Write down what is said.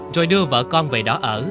rồi đưa vợ con về đó ở